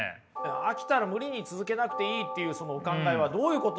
飽きたら無理に続けなくていいっていうそのお考えはどういうことなのか？